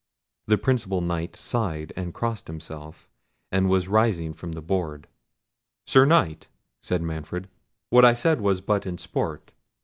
The principal Knight sighed and crossed himself, and was rising from the board. "Sir Knight," said Manfred, "what I said was but in sport.